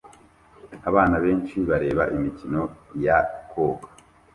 Abana benshi bareba imikino ya koga